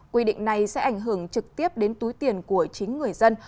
quy định này sẽ ảnh hưởng trực tiếp đến túi tiền của chính người dân